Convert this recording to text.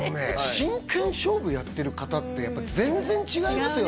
真剣勝負やってる方ってやっぱ全然違いますよ